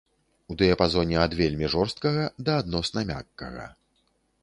У дыяпазоне ад вельмі жорсткага да адносна мяккага.